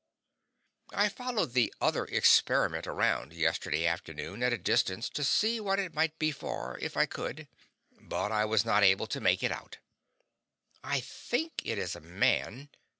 I followed the other Experiment around, yesterday afternoon, at a distance, to see what it might be for, if I could. But I was not able to make [it] out. I think it is a man.